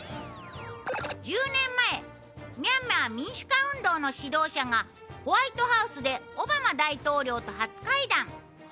１０年前ミャンマー民主化運動の指導者がホワイトハウスでオバマ大統領と初会談。